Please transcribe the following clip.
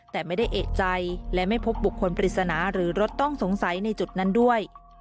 แต่ไม่ได้เอกใจและไม่พบบุคคลปริศนาหรือรถต้องสงสัยในจุดนั้นด้วย